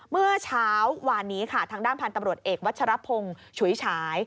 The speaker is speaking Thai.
เมื่อเช้าวานนี้ค่ะทางด้านพันธุ์ตำรวจเอกวัชรพงศ์ฉุยฉาย